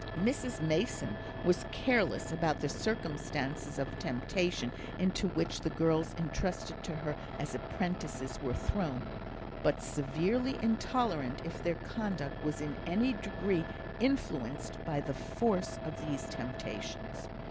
Mrs Mason was careless about the circumstances of temptation into which the girls entrusted to her as apprentices were thrown, but severely intolerant if their conduct was in any degree influenced by the force of these temptations.